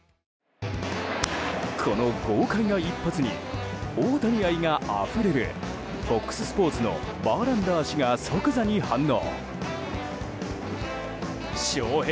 この豪快な一発に大谷愛があふれるＦＯＸスポーツのバーランダー氏が即座に反応。